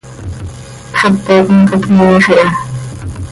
Xepe com cahcniiix iha.